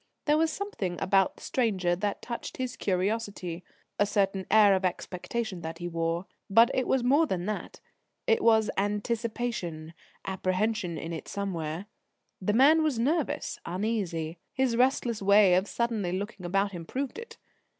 There was something about the stranger that touched his curiosity a certain air of expectation that he wore. But it was more than that: it was anticipation, apprehension in it somewhere. The man was nervous, uneasy. His restless way of suddenly looking about him proved it.